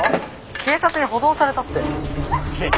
警察に補導されたって。